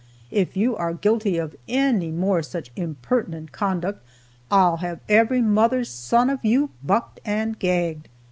If you are guilty of any more such impertinent conduct, I'll have every mother's son of you bucked and gagged."